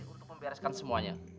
untuk membereskan semuanya